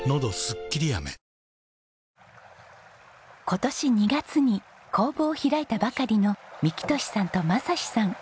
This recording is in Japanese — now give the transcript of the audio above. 今年２月に工房を開いたばかりの幹寿さんと雅士さん。